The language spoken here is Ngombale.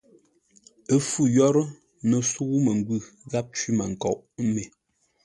Ə́ fû yə́rə́, no sə̌u məngwʉ̂ gháp cwímənkoʼ me.